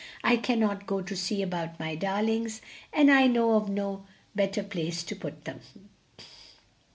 I cannot go to see about my darlings, and I know of no better place to put them.